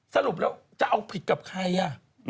สรุปแล้วจะเอาผิดกับใครอ่ะ